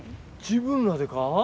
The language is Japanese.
自分らでか？